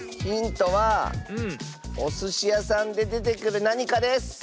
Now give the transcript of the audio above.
ヒントはおすしやさんででてくるなにかです。